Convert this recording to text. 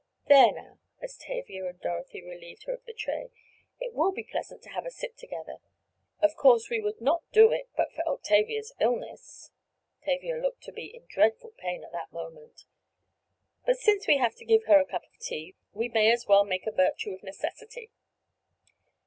"There now," as Tavia and Dorothy relieved her of the tray, "it will be pleasant to have a sip together. Of course we would not do it but for Octavia's illness." (Tavia looked to be in dreadful pain at that moment.) "But since we have to give her a cup of tea, we may as well make a virtue of necessity."